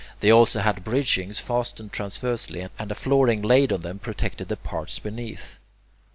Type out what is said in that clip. They also had bridgings fastened transversely, and a flooring laid on them protected the parts beneath.